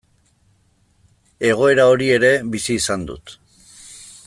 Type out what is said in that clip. Egoera hori ere bizi izan dut.